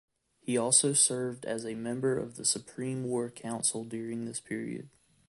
He also served as a member of the Supreme War Council during this period.